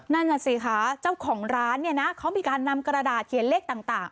นั่นน่ะสิคะเจ้าของร้านเนี่ยนะเขามีการนำกระดาษเขียนเลขต่าง